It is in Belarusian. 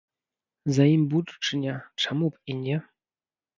За ім будучыня, чаму б і не!